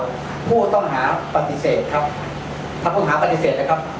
ที่ผู้ต้องหาปฏิเสธครับทักผู้หาปฏิเสธขอบคุณครับ